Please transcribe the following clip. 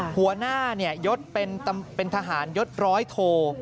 หัวหน้ายศเป็นทหารยศร้อยโท